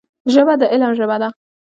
ژبه د علم ژبه ده